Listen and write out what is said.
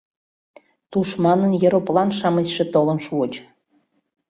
Тушманын ероплан-шамычше толын шуыч.